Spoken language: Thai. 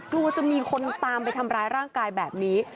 กลัวจะมีคนตามไปทำร้ายร่างกายแบบนี้